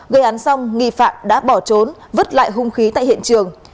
gây án xong nghi phạm đã bỏ trốn vứt lại hung khí tại hiện trường